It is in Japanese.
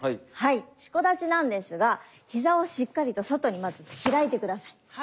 四股立ちなんですが膝をしっかりと外にまず開いて下さい。